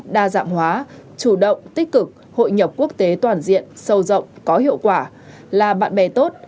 đa dạng hóa chủ động tích cực hội nhập quốc tế toàn diện sâu rộng có hiệu quả là bạn bè tốt